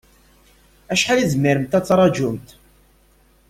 Acḥal i tzemremt ad taṛǧumt?